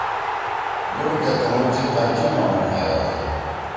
لُوڑ کے تُنُو جیِب ہر جیِب ما مُوٹھائے ہوئی۔